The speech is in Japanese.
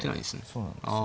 そうなんですよ。